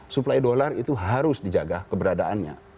supply dollar itu harus dijaga keberadaannya